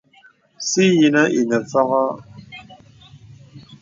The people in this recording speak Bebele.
Sì yìnə ìnə fɔ̄gɔ̄.